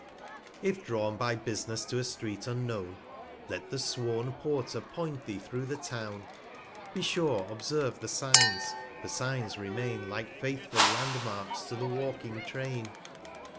, If drawn by Bus'ness to a Street unknown, 65 Let the sworn Porter point thee through the Town; Be sure observe the Signs, for Signs remain, Like faithful Land marks to the walking Train.